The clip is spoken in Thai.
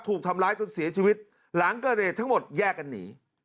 ถูกทำร้ายจนเสียชีวิตหลังเกิดเหตุทั้งหมดแยกกันหนี